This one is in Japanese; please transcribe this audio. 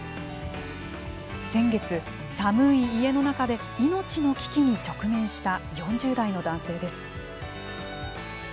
先月、寒い家の中で命の危機に直面した４０代の男性です。